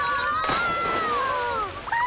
あ！